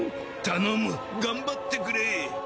頼む頑張ってくれい！